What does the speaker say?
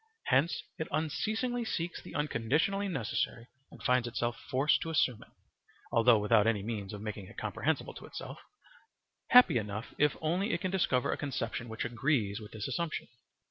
Hence it unceasingly seeks the unconditionally necessary and finds itself forced to assume it, although without any means of making it comprehensible to itself, happy enough if only it can discover a conception which agrees with this assumption.